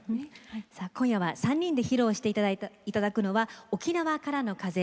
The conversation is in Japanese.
今夜、３人で披露していただくのは「沖縄からの風」。